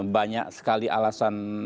banyak sekali alasan